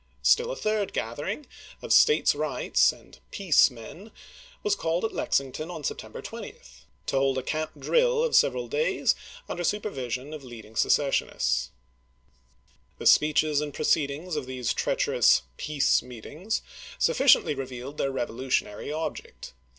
Still a third "Dan\iiie gathering, of "States Rights" and "peace" men. Review? was Called at Lexington on September 20, to hold sSr.isel a camp drill of several days, under supervision of pp. 245, 381, IT ... 385, and 388. leading secessionists. The speeches and proceedings of these treacher ous "peace" meetings sufficiently revealed their revolutionary object.